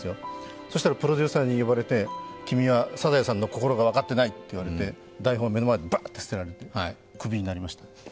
そしたらプロデューサーに呼ばれて君は「サザエさん」の心が分かっていないと、台本を目の前でばーんと捨てられて、クビになりました。